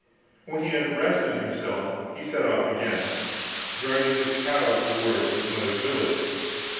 When he had rested himself he set off again, driving his cow towards his mother's village.